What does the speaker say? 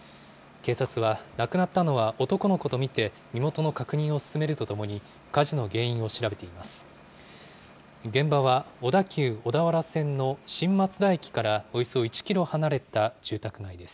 警察は亡くなったのは男の子と見て、身元の確認を進めるとともに、火事の原因を調べています。